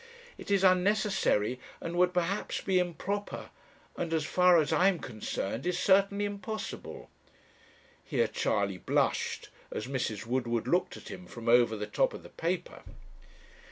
It is unnecessary, and would perhaps be improper, and as far as I am concerned, is certainly impossible." Here Charley blushed, as Mrs. Woodward looked at him from over the top of the paper.